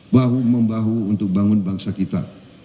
bahu membahu untuk bangun bangsa kita